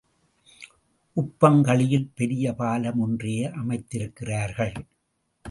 உப்பங்கழியில் பெரிய பாலம் ஒன்றையே அமைத்திருக்கிறார்கள்.